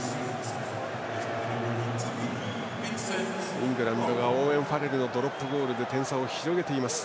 イングランドがオーウェン・ファレルのドロップゴールで点差を広げています。